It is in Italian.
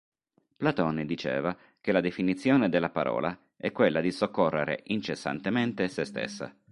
Platone diceva che la definizione della parola è quella di soccorrere incessantemente se stessa.